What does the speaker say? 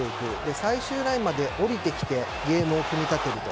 最終ラインまで下りてきてゲームを組み立てると。